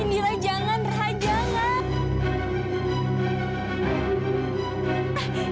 indira indira jangan raja jangan